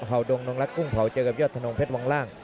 เห่าดงนงรักกุ้งเผาเจอกับยอดธนงเพชรวังล่าง